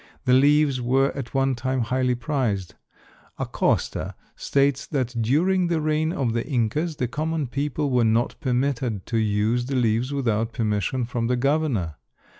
The leaves were at one time highly prized. Acosta states that during the reign of the Incas the common people were not permitted to use the leaves without permission from the governor.